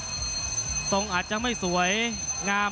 โอ้โหโดนเขาก็ไปตามนั้นเลยนะ